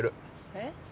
えっ？